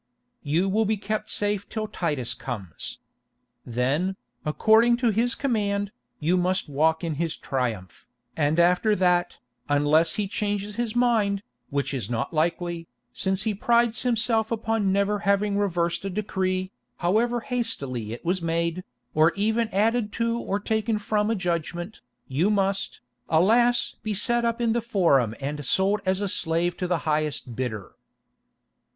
"You will be kept safe till Titus comes. Then, according to his command, you must walk in his Triumph, and after that, unless he changes his mind, which is not likely, since he prides himself upon never having reversed a decree, however hastily it was made, or even added to or taken from a judgment, you must, alas! be set up in the Forum and sold as a slave to the highest bidder."